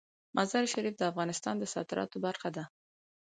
مزارشریف د افغانستان د صادراتو برخه ده.